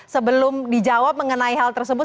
sebelum dijawab mengenai hal tersebut